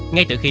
ngay từ khi